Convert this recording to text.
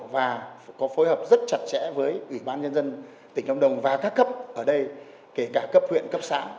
và phối hợp rất chặt chẽ với ủy ban nhân dân tỉnh lâm đồng và các cấp ở đây kể cả cấp huyện cấp xã